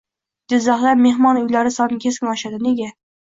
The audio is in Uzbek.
Jizzaxda mehmon uylari soni keskin oshadi? Nega?